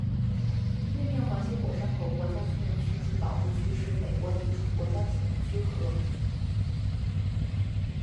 月面环形火山口国家纪念区及保护区是美国的一处国家纪念区和。